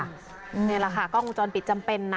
นี่แหละค่ะกล้องวงจรปิดจำเป็นนะ